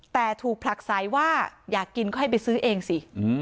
แต่ถูกผลักสายว่าอยากกินก็ให้ไปซื้อเองสิ